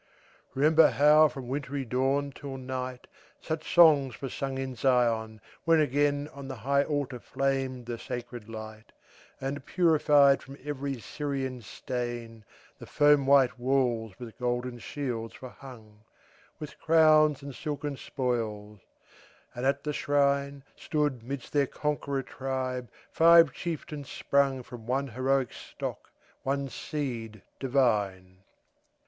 Remember how from wintry dawn till night, Such songs were sung in Zion, when again On the high altar flamed the sacred light, And, purified from every Syrian stain, The foam white walls with golden shields were hung, With crowns and silken spoils, and at the shrine, Stood, midst their conqueror tribe, five chieftains sprung From one heroic stock, one seed divine.